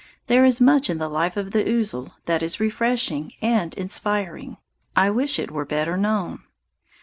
There is much in the life of the ouzel that is refreshing and inspiring. I wish it were better known.